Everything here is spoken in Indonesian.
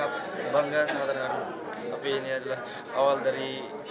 tapi ini adalah awal dari